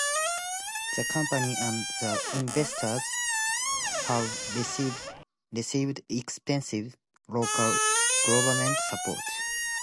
The company and the investors have received extensive local government support.